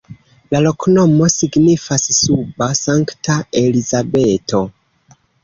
La loknomo signifas: suba-Sankta-Elizabeto.